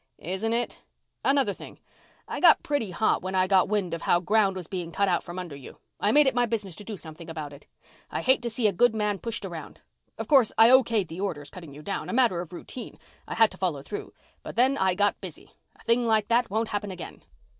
"Isn't it?" "Another thing I got pretty hot when I got wind of how the ground was being cut out from under you. I made it my business to do something about it. I hate to see a good man pushed around. Of course I okayed the orders cutting you down a matter of routine I had to follow through. But then I got busy. A thing like that won't happen again."